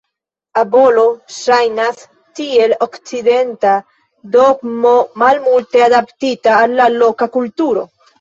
Abolo ŝajnas tiel okcidenta dogmo, malmulte adaptita al la loka kulturo.